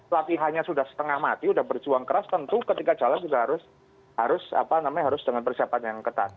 latihannya sudah setengah mati sudah berjuang keras tentu ketika jalan sudah harus dengan persiapan yang ketat